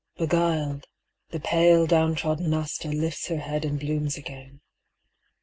Beguiled, the pale down trodden aster lifts Her head and blooms again.